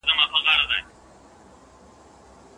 لکه انار دانې ـ دانې د ټولو مخ ته پروت يم